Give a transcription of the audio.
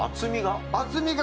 厚みが？